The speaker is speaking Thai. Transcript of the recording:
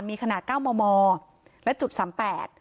มีขนาดเก้ามอมอและจุดสามแปด